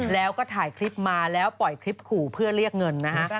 แล้วก็ถ่ายคลิปมาแล้วปล่อยคลิปขู่เพื่อเรียกเงินนะฮะ